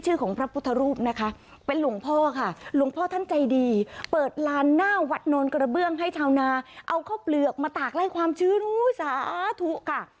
ชาวนาเอาเข้าเปลือกมาตากและความชื้นซาถุค่ะ